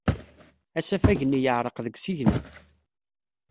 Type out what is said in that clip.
Asafag-nni yeɛreq deg usigna.